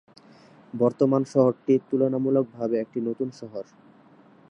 বর্তমান শহরটি তুলনামূলকভাবে একটি নতুন শহর।